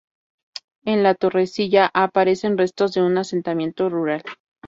En La Torrecilla aparecen restos de un asentamiento rural.